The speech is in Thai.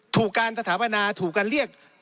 ถูกการสถาปนาถูกการเรียก